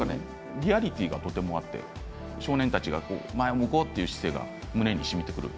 リアリティーがとてもあって少年たちが前を向こうという姿勢が胸にしみました。